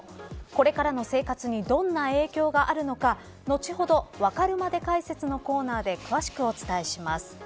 これからの生活にどんな影響があるのか後ほどわかるまで解説のコーナーで詳しくお伝えします。